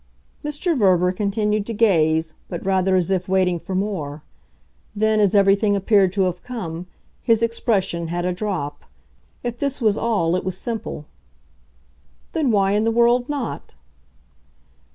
Mr. Verver continued to gaze, but rather as if waiting for more. Then, as everything appeared to have come, his expression had a drop. If this was all it was simple. "Then why in the world not?"